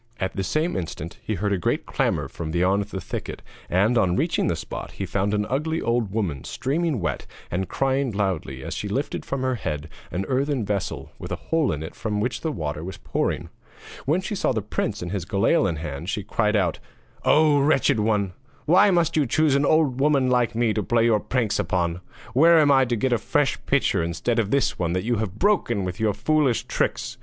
At the same instant he heard a great clamour from beyond the thicket, and, on reaching the spot, he found an ugly old woman streaming wet and crying loudly as she lifted from her head an earthen vessel with a hole in it from which the water was pouring. When she saw the prince with his galail in his hand, she called out: 'Oh, wretched one! why must you choose an old woman like me to play your pranks upon? Where am I to get a fresh pitcher instead of this one that you have broken with your foolish tricks?